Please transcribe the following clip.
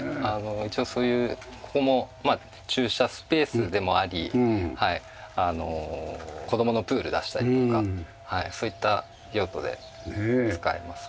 一応そういうここも駐車スペースでもあり子供のプールを出したりとかそういった用途で使えますから。